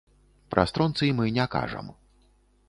Пра стронцый мы не кажам.